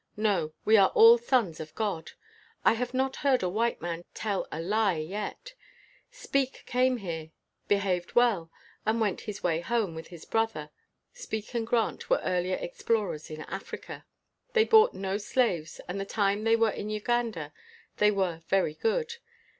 No; we are all sons of God.' I have not heard a white man tell a lie yet. Speke came here, behaved well, and went his way home with his brother Grant. [Speke and Grant were earlier ex plorers in Africa.] They bought no slaves, and the time they were in Uganda they were very good.